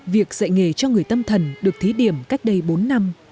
việc dạy nghề cho người tâm thần được thí điểm cách đây bốn năm